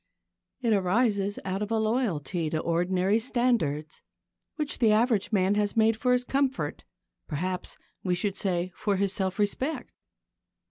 It arises out of a loyalty to ordinary standards, which the average man has made for his comfort perhaps, we should say, for his self respect.